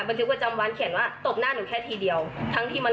ก็คือไปแจ้งแล้วเขาก็เซียค่ะ๕๐๐เหรอ